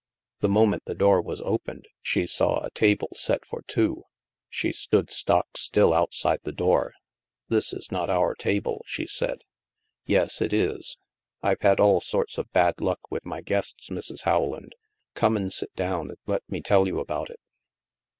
The moment the door was opened, she saw a table set for two. She stood stock still outside the door. This is not our table," she said. Yes, it is. I've had all sorts of bad luck with my guests, Mrs. Rowland. G)me and sit down, and let me tell you about it."